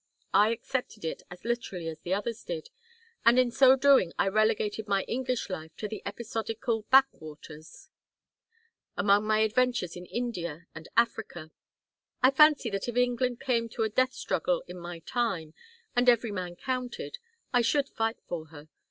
I accepted it as literally as the others did, and in so doing I relegated my English life to the episodical backwaters: among my adventures in India and Africa. I fancy that if England came to a death struggle in my time, and every man counted, I should fight for her.